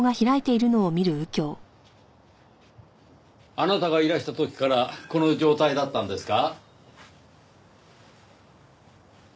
あなたがいらした時からこの状態だったんですか？